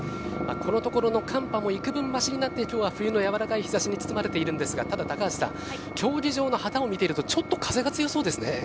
このところの寒波も幾分ましになってきょうは冬のやわらかい日差しに包まれているんですがただ高橋さん競技場の旗を見ているとちょっと風が強そうですね。